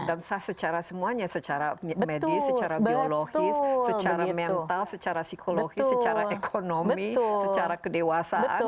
dan sah secara semuanya secara medis secara biologis secara mental secara psikologis secara ekonomi secara kedewasaan